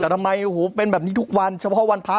แต่ทำไมอ่อหูเป็นบางนี้ทุกวันเฉพาะวันภนะ